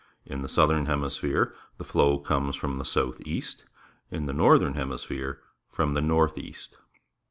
In the southern henrisphere, the flow comes from the south east; in the northern hemisphere, from the north east.